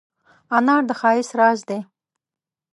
انار د ښایست راز دی.